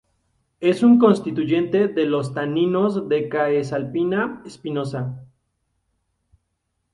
Es un constituyente de los taninos de "Caesalpinia spinosa".